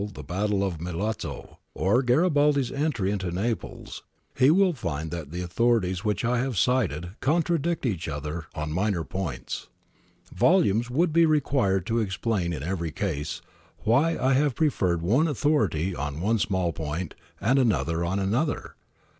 the Battle of Milazzo, or Garibaldi's entry into Naples — he will find that the authorities which I have cited contradict each other on minor points. Volumes would be required to explain in every case why I have preferred one authority on one small point, and another on another.